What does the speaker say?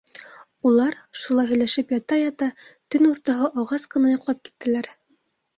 - Улар, шулай һөйләшеп ята-ята, төн уртаһы ауғас ҡына йоҡлап киттеләр.